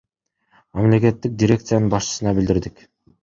Мамлекеттик дирекциянын башчысына билдирдик.